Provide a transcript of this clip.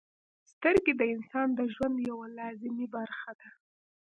• سترګې د انسان د ژوند یوه لازمي برخه ده.